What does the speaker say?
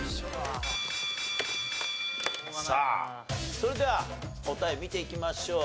さあそれでは答え見ていきましょう。